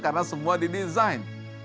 karena semua di desain